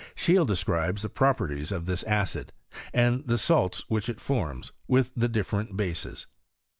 Scheele describes the properties of this acid, and the salts which it forms, with the dif ferent bases.